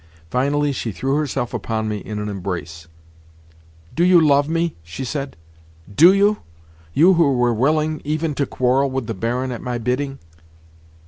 Finally she threw herself upon me in an embrace. "You love me?" she said. "Do you?—you who were willing even to quarrel with the Baron at my bidding?"